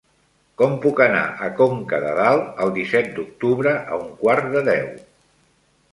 Com puc anar a Conca de Dalt el disset d'octubre a un quart de deu?